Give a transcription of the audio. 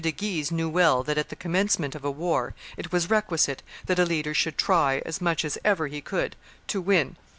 de Guise knew well that at the commencement of a war it was requisite that a leader should try, as much as ever he could, to win."